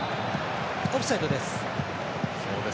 オフサイドです。